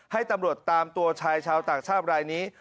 ให้ตำรวจตามตัวชายชาวต่างชาติรายนี้